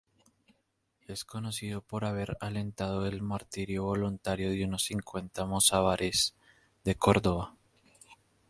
Es conocido por haber alentado el martirio voluntario de unos cincuenta mozárabes de Córdoba.